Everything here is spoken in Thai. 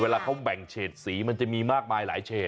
เวลาเขาแบ่งเฉดสีมันจะมีมากมายหลายเฉด